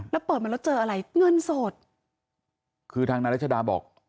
แล้วเปิดมาแล้วเจออะไรเงินสดคือทางนายรัชดาบอก